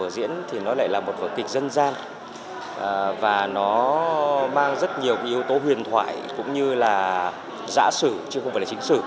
giả sử chứ không phải là chính sử